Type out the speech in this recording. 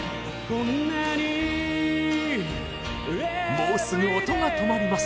もうすぐ音が止まります